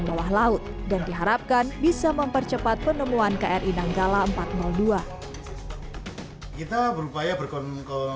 bawah laut dan diharapkan bisa mempercepat penemuan kri nanggala empat ratus dua kita berupaya berkon